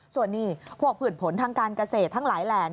ส่วนนี้พวกผื่นผลทางการเกษตรทั้งหลายแหล่